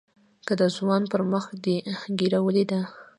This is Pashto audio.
که د ځوان پر مخ دې ږيره وليده.